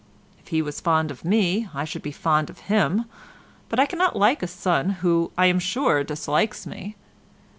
If he was fond of me I should be fond of him, but I cannot like a son who, I am sure, dislikes me.